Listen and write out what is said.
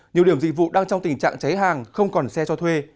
nhiều điểm dịch vụ đang trong tình trạng cháy hàng không còn xe cho thuê